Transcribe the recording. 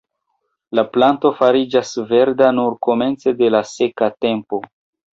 La planto fariĝas verda nur komence de la seka tempo.